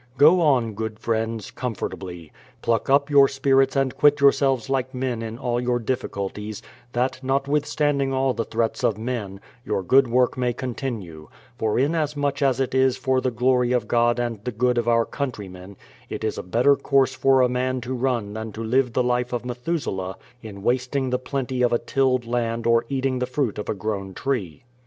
Go on, good friends, comfortably; pluck up your spirits and quit yourselves like men in all your difficulties, that, notwithstanding all the threats of men, your good work may con tinue ; for in as much as it is for the glory of God and the good of our countrymen, it is a better course for a man to run than to live the life of Methuselah in wasting the plenty of a tilled land or eating the fruit of a grown tree.